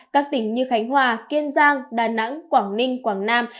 các tỉnh như khánh hòa kiên giang đà nẵng quảng ninh quảng nam